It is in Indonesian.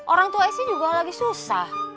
orang tua sc juga lagi susah